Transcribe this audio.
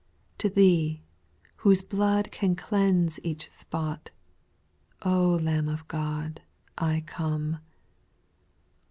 To thee, whose blood can cleanse each spot, Lamb of God, I come 1 8.